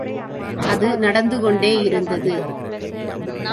அது நடந்து கொண்டே இருந்தது.